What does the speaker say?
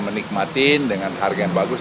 menikmati dengan harga yang bagus